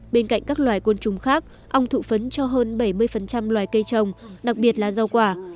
bên cạnh các loài côn trùng khác ong thụ phấn cho hơn bảy mươi loài cây trồng đặc biệt là rau quả